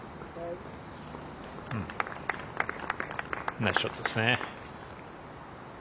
ナイスショットですね。